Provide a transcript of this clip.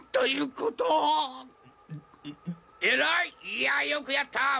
いやーよくやった！